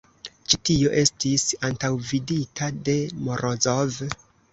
Ĉi tio estis antaŭvidita de Morozov.